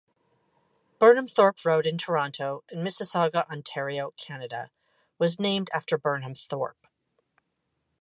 Burnhamthorpe Road in Toronto and Mississauga, Ontario, Canada was named after Burnham Thorpe.